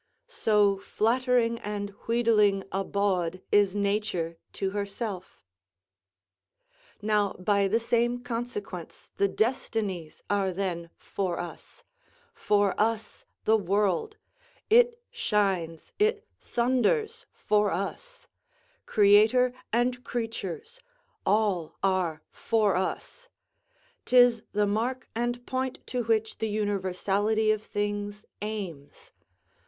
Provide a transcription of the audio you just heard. _ "So flattering and wheedling a bawd is nature to herself." Now by the same consequence, the destinies are then for us; for us the world; it shines it thunders for us; creator and creatures, all are for us; 'tis the mark and point to which the universality of things aims.